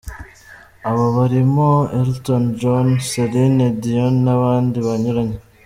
Abo barimo Elton John, Celine Dion n’abandi banyuranye.